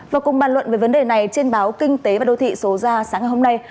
và cùng bàn luận về vấn đề này trên báo kinh tế và đô thị số ra sáng ngày hôm nay